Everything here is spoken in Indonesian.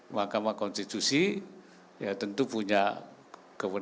mahkamah konstitusi ya tentu punya kewenangan